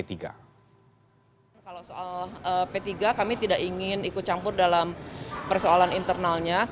kalau soal p tiga kami tidak ingin ikut campur dalam persoalan internalnya